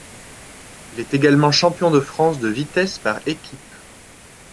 Il est également champion de France de vitesse par équipes.